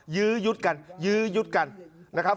ยื้อยุดกันยื้อยุดกันนะครับ